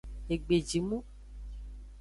Egbejimu.